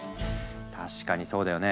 確かにそうだよね。